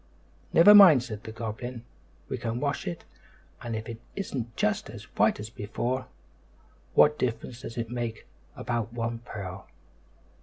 "Never mind," said the goblin, "we can wash it, and if it isn't just as white as before, what difference does it make about one pearl?"